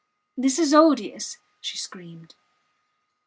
This is odious, she screamed.